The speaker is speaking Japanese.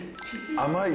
甘い。